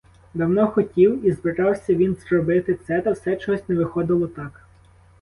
Давно хотів і збирався він зробити це, та все чогось не виходило так.